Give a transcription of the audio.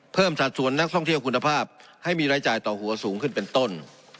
สัดส่วนนักท่องเที่ยวคุณภาพให้มีรายจ่ายต่อหัวสูงขึ้นเป็นต้น